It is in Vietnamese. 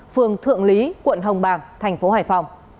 phường thượng lý quận hồng bàng thành phố hải phòng